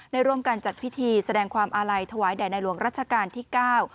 ได้ร่วมกันจัดพิธีแสดงความอาลัยถวายแด่ในหลวงรัชกาลที่เก้า